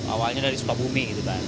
awalnya dari sukabumi gitu